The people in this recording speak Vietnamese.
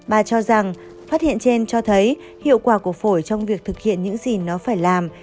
bà cho rằng phát hiện trên cho thấy hiệu quả của phổi trong việc thực hiện những gì nó phải làm